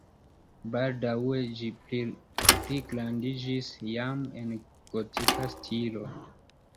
Baldaŭe ĝi pligrandiĝis jam en gotika stilo.